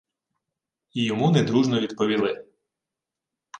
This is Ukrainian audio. І йому недружно відповіли: